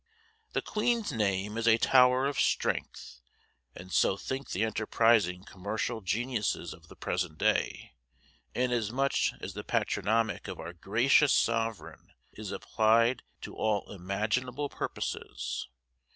"The Queen's name is a tower of strength," and so think the enterprising commercial geniuses of the present day, inasmuch as the patronymic of our gracious Sovereign is applied to all imaginable purposes.